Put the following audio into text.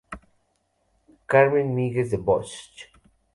Carmen Miguens de Bosch.